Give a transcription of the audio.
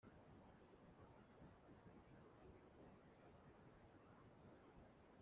Conca de Dalt i La Pobla de Segur.